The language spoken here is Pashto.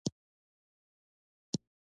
پکتیا د افغانانو د ژوند طرز اغېزمنوي.